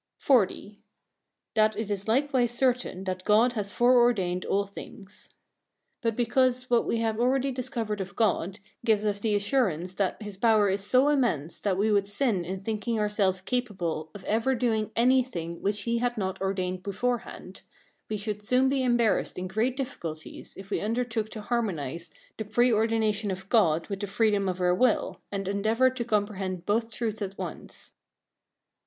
XL. That it is likewise certain that God has fore ordained all things. But because what we have already discovered of God, gives us the assurance that his power is so immense that we would sin in thinking ourselves capable of ever doing anything which he had not ordained beforehand, we should soon be embarrassed in great difficulties if we undertook to harmonise the pre ordination of God with the freedom of our will, and endeavoured to comprehend both truths at once.